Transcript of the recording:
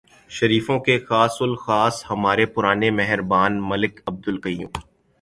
شریفوں کے خاص الخاص ہمارے پرانے مہربان ملک عبدالقیوم۔